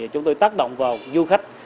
chúng tôi tác động vào du khách